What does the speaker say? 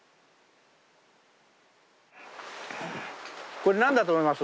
これ何だと思います？